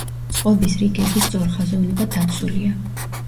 წყობის რიგების სწორხაზოვნება დაცულია.